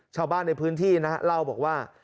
ชาวบ้านในพื้นที่นะฮะเล่าบอกว่า